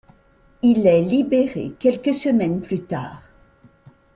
Il est libéré quelques semaines plus tard.